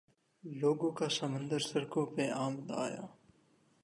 لوگوں کا سمندر سڑکوں پہ امڈآیا۔